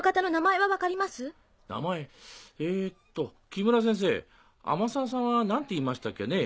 木村先生天沢さんは何ていいましたっけね？